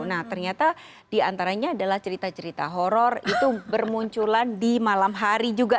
nah ternyata diantaranya adalah cerita cerita horror itu bermunculan di malam hari juga